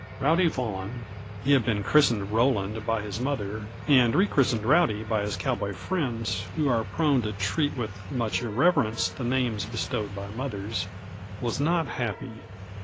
"Rowdy" Vaughan he had been christened Rowland by his mother, and rechristened Rowdy by his cowboy friends, who are prone to treat with much irreverence the names bestowed by mothers was not happy.